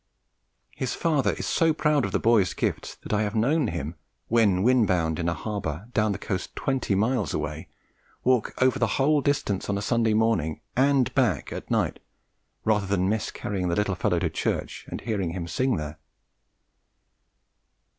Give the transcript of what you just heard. His father is so proud of the boy's gifts that I have known him, when wind bound in a harbour down the coast twenty miles away, walk over the whole distance on a Sunday morning and back at night rather than miss carrying the little fellow to church and hearing him sing there.